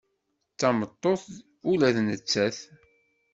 D tameṭṭut ula d nettat.